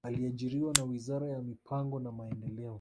Aliajiriwa na wizara ya mipango na maendeleo